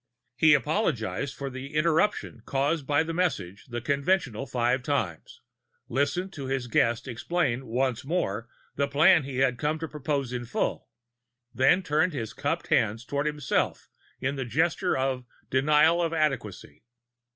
He apologized for the interruption caused by the message the conventional five times, listened while his guest explained once more the plan he had come to propose in full, then turned his cupped hands toward himself in the gesture of Denial of Adequacy.